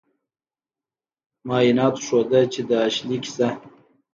معایناتو ښوده چې د اشلي کیسه